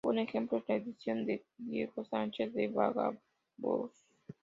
Un ejemplo es la edición de "Diego Sánchez de Badajoz".